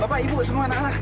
bapak ibu semua anak anak